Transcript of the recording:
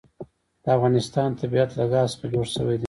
د افغانستان طبیعت له ګاز څخه جوړ شوی دی.